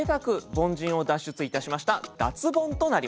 凡人を脱出いたしました脱ボンとなります。